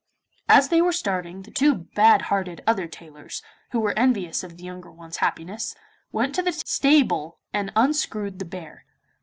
As they were starting, the two bad hearted other tailors, who were envious of the younger one's happiness, went to the stable and unscrewed the bear.